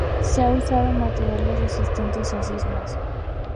Se han usado materiales resistentes a sismos.